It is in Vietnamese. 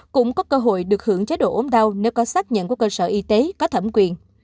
cũng có cơ hội được hưởng chế độ ốm đau nếu có xác nhận của cơ sở y tế có thẩm quyền